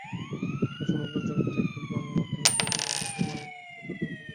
এই সমগ্র জগৎটাই একটা ভ্রমমাত্র, এটা যেন তোমায় আর প্রতারিত করতে না পারে।